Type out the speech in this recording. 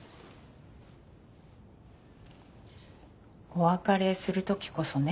お別れするときこそね